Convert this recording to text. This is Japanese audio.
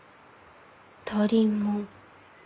足りんもん？